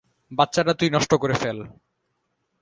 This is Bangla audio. বাচ্চাটা তুই নষ্ট করে ফেল।